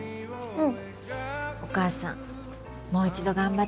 うん。